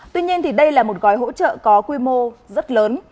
tuy nhiên đây là một gói hỗ trợ có quy mô rất lớn